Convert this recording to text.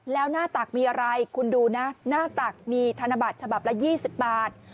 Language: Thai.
แล้วหน้าตักมีอะไรคุณดูนะหน้าตักมีธนบัตรฉบับละ๒๐บาท